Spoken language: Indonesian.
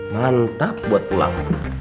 mantap buat pulang